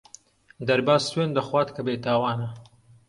دەرباز سوێند دەخوات کە بێتاوانە.